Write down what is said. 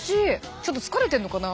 ちょっと疲れてんのかな。